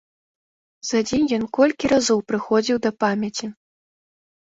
За дзень ён колькі разоў прыходзіў да памяці.